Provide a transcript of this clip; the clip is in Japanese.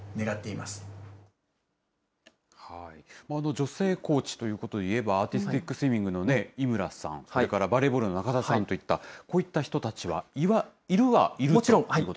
女性コーチということでいえば、アーティスティックスイミングの井村さん、それからバレーボールの中田さんといった、こういった人たちはいるはいるということなんですね。